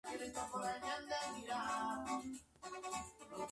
Con Malcolm McLaren formó parte de una sentada en la Escuela de Arte Croydon.